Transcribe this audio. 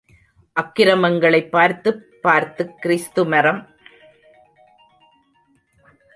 அக்ரமங்களைப் பார்த்துப் பார்த்து கிருஸ்து மதம் இதைத்தான் இவர்களுக்குப் போதித்துக் கொண்டிருக்கிறதோ என்று ஆத்திரப்பட்டுக் கொண்டிருக்கின்றார்.